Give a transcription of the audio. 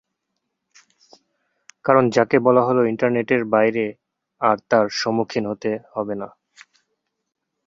কারণ যাকে বলা হল ইন্টারনেটের বাইরে আর তার সম্মুখীন হতে হবে না।